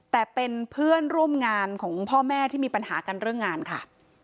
แต่เป็นเพื่อนร่วมงานของพ่อแม่ที่มีปัญหากันเรื่องงานค่ะ